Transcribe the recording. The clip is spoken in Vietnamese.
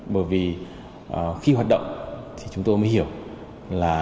bởi vì khi hoạt động thì chúng tôi mới hiểu là